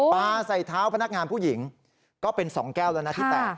ปลาใส่เท้าพนักงานผู้หญิงก็เป็น๒แก้วแล้วนะที่แตก